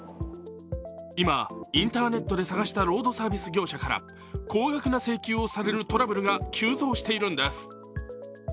今、インターネットで探したロードサービス業者から高額な請求をされるトラブルが急増しているんです。